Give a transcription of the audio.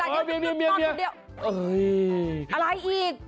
อะไรอีก